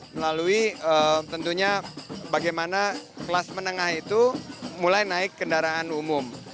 melalui tentunya bagaimana kelas menengah itu mulai naik kendaraan umum